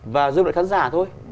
và giúp đỡ khán giả thôi